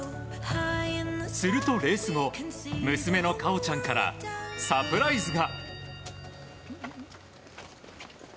するとレース後娘の果緒ちゃんからサプライズが。